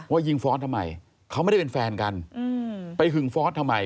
ยิงฟอสทำไมเขาไม่ได้เป็นแฟนกันไปหึงฟอสทำไม